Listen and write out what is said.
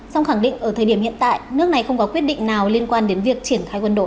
song khẳng định ở thời điểm hiện tại nước này không có quyết định nào liên quan đến việc triển khai quân đội